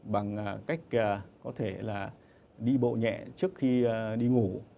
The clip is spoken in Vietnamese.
bằng cách có thể là đi bộ nhẹ trước khi đi ngủ